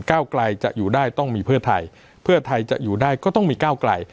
ก้าวไกลจะอยู่ได้ต้องมีเพื่อไทยเพื่อไทยจะอยู่ได้ก็ต้องมีก้าวไกล